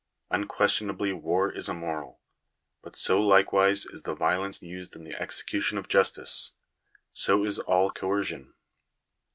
Unquestionably war is immoral. But so like wise is the violence used in the execution of justice ; so is all coercion.